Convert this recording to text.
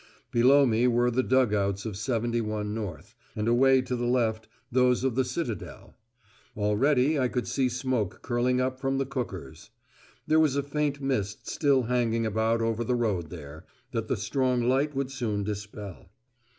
Below me were the dug outs of 71 North, and away to the left those of the Citadel. Already I could see smoke curling up from the cookers. There was a faint mist still hanging about over the road there, that the strong light would soon dispel.